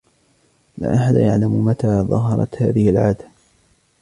لا أحد يعلم متى ظهرت هذه العادة.